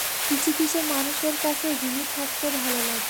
কিছু কিছু মানুষের কাছে ঋণী থাকতে ভালো লাগে!